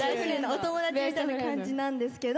お友達みたいな感じなんですけど。